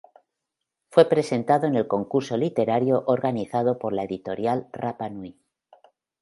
Fue presentado en el concurso literario organizado por la editorial Rapa Nui.